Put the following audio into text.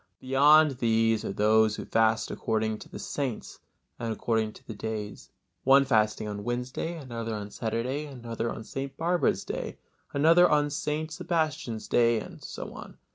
Beyond these are those who fast according to the saints, and according to the days; one fasting on Wednesday, another on Saturday, another on St. Barbara's day, another on St. Sebastian's day, and so on.